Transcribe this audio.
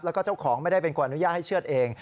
แล้วก็เจ้าของไม่ได้เป็นคนอนุญาตให้เชื่อดเอง